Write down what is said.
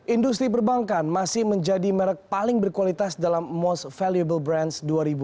industri perbankan masih menjadi merek paling berkualitas dalam most valuable brands dua ribu enam belas